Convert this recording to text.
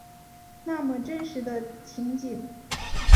那么真实的情景